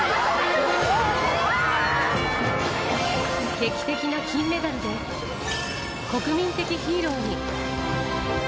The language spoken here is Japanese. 劇的な金メダルで、国民的ヒーローに。